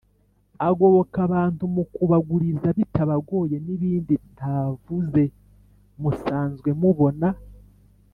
agoboka abantu mu kubaguriza bitabagoye n’ibindi ntavuze musanzwe mubona.